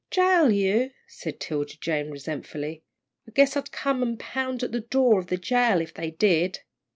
"Jail you," said 'Tilda Jane, resentfully, "I guess I'd come and pound at the door of the jail if they did."